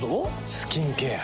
スキンケア。